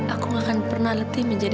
aku tidak akan pernah letih menjauh